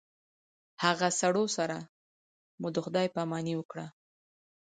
هغه سړو سره مو د خداے په اماني وکړه